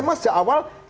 memang sejak awal